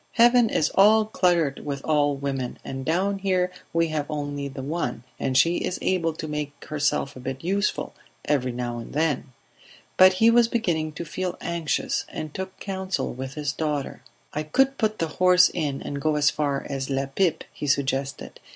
Heaven is all cluttered with old women, and down here we have only the one, and she is able to make herself a bit useful, every now and then ..." But he was beginning to feel anxious, and took counsel with his daughter. "I could put the horse in and go as far as La Pipe," he suggested.